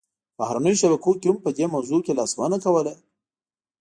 بهرنیو شبکو هم په دې موضوع کې لاسوهنه کوله